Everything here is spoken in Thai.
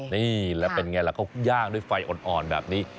นี่แล้วเป็นไงล่ะเขาย่างด้วยไฟอ่อนแบบนี้